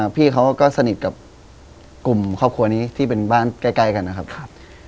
พี่เขาก็สนิทกับกลุ่มครอบครัวนี้ที่เป็นบ้านใกล้กันนะครับ